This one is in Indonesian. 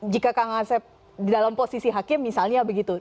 jika kang asep dalam posisi hakim misalnya begitu